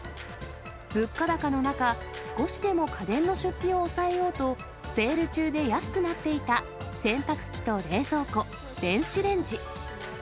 物価高の中、少しでも家電の出費を抑えようと、セール中で安くなっていた洗濯機と冷蔵庫、電子レンジ。